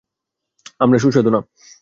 আমরা সুস্বাদু না।